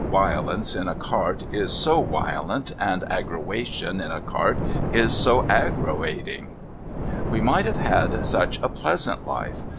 Wiolence in a cart is so wiolent, and aggrawation in a cart is so aggrawating. We might have had such a pleasant life